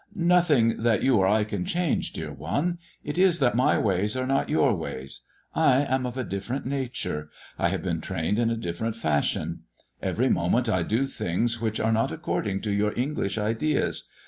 " Nothing that you or I can change, dear one. It is that my ways are not your ways. I am of a different nature. I have been trained in a different fashion. Every moment I do things which are not according to your English ideas.